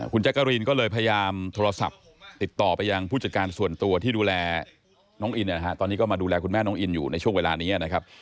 คุณแจ๊กกะรีนก็เลยพยายามโทรศัพท์ติดต่อไปยังผู้จัดการส่วนตัวที่ดูแลน้องอินเนี่ยนะฮะตอนนี้ก็มาดูแลคุณแม่น้องอินอยู่ในช่วงเวลานี้นะครับ